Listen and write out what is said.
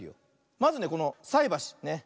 まずねこのさいばし。